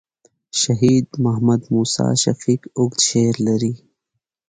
شهید محمد موسي شفیق اوږد شعر لري.